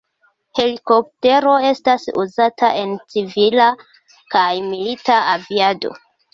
Helikoptero estas uzata en civila kaj milita aviado.